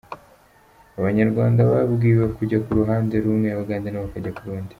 Abanyarwanda babwiwe kujya ku ruhande rumwe, Abagande nabo bakajya ku rundi.